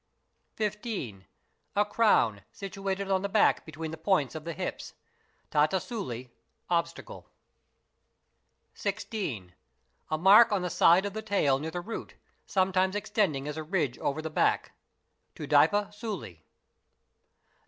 15. A crown situated on the back between the points of the hips, (tattu suliobstacle). 820 CHEATING AND FRAUD 16. A mark on the side of the tail near the root, sometimes extending as a ridge over the back, (tudaippa sult).